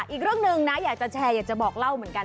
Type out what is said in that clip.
อีกเรื่องหนึ่งนะอยากจะแชร์อยากจะบอกเล่าเหมือนกัน